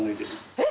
えっ？